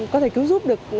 có thể cứu giúp được